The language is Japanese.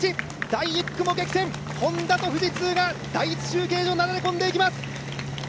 第１区も激戦、Ｈｏｎｄａと富士通が流れ込んでいきます。